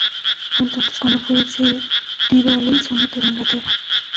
Fue entonces cuando fue cedido al Leeds United de Inglaterra.